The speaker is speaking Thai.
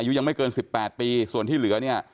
อายุยังไม่เกิน๑๘ปีส่วนที่เหลือเนี่ย